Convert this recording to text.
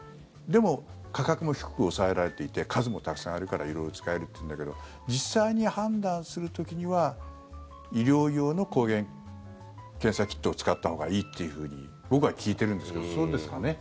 でも、価格も低く抑えられていて数もたくさんあるから色々使えるっていうんだけど実際に判断する時には医療用の抗原検査キットを使ったほうがいいっていうふうに僕は聞いてるんですけどそうですかね？